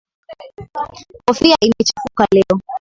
Kofia imechafuka leo.